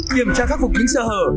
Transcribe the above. kiểm tra khắc phục những sơ hở